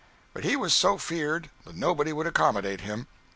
But he was so feared, that nobody would accommodate him.